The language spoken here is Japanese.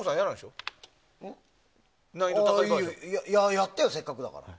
やってよ、せっかくだから。